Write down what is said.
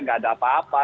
tidak ada apa apa